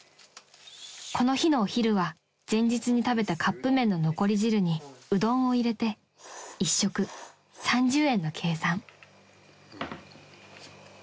［この日のお昼は前日に食べたカップ麺の残り汁にうどんを入れて一食３０円の計算］